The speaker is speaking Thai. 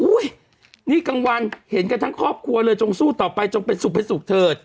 นี่กลางวันเห็นกันทั้งครอบครัวเลยจงสู้ต่อไปจงเป็นสุขเถิด